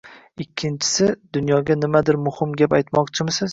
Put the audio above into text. ikkinchisi dunyoga nimadir muhim gap aytmoqchisiz